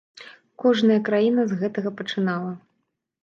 Кожная краіна з гэтага пачынала.